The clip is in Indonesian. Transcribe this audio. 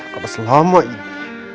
karena selama ini